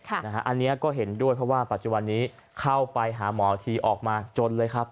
อันนี้ก็เห็นด้วยเพราะว่าปัจจุบันนี้เข้าไปหาหมอทีออกมาจนเลยครับ